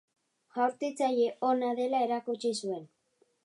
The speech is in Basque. Jaurtitzaile ona dela erakutsi zuen.